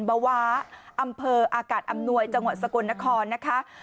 เบาะอำเภออากาศอำนวยจงสกนครนะคะ